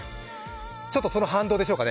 ちょっとその反動でしょうか。